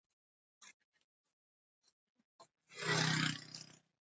نړیوالو معیارونو ته باید پام وشي.